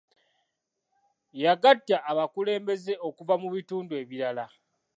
Yagatta abakulembeze okuva mu bitundu ebirala.